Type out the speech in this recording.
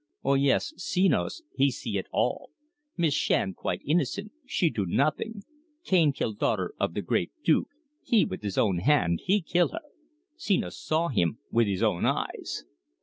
Oh, yes, Senos he see it all! Miss Shand quite innocent she do nothing. Cane kill daughter of the great Duke he with his own hand he kill her. Senos saw him with his own eyes!"